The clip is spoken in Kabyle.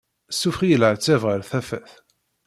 Sufeɣ-iyi leɛtab ɣer tafat.